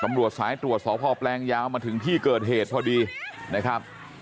ตำรวจสายตรวจสพแปลงยาวมาถึงที่เกิดเหตุพอดีนะครับ